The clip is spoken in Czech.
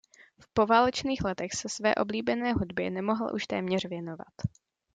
V poválečných letech se své oblíbené hudbě nemohl už téměř věnovat.